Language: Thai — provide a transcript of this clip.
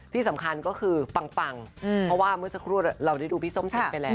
ที่สำคัญก็คือปังเพราะว่าเมื่อสักครู่เราได้ดูพี่ส้มเช็ดไปแล้ว